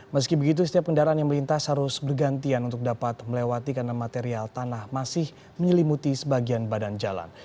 meski begitu setiap kendaraan yang melintas harus bergantian untuk dapat melewati karena material tanah masih menyelimuti sebagian badan jalan